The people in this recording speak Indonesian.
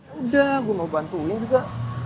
udah gue mau bantuin juga